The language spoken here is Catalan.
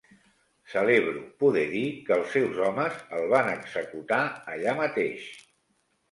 Celebro poder dir que els seus homes el van executar allà mateix